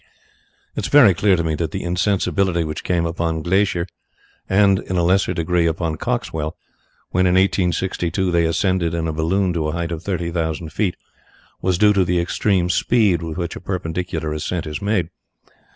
"It is very clear to me that the insensibility which came upon Glaisher, and in a lesser degree upon Coxwell, when, in 1862, they ascended in a balloon to the height of thirty thousand feet, was due to the extreme speed with which a perpendicular ascent is made.